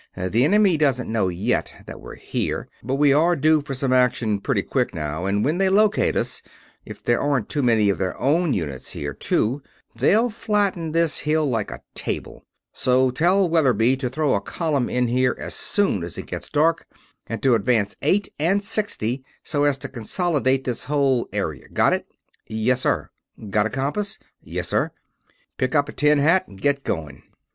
The enemy doesn't know yet that we're here, but we are due for some action pretty quick now, and when they locate us if there aren't too many of their own units here, too they'll flatten this hill like a table. So tell Weatherby to throw a column in here as soon as it gets dark, and to advance Eight and Sixty, so as to consolidate this whole area. Got it?" "Yes, sir." "Got a compass?" "Yes, sir." "Pick up a tin hat and get going.